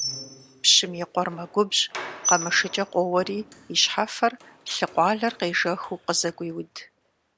Пщым и къуэр мэгубжь, къамышыкӀэ къоуэри и щхьэфэр лъы къуалэр къежэхыу къызыгуеуд.